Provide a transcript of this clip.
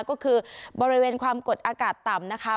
ก็คือบริเวณความกดอากาศต่ำนะคะ